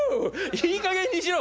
いいかげんにしろ！